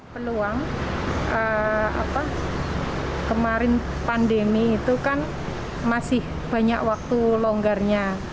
peluang kemarin pandemi itu kan masih banyak waktu longgarnya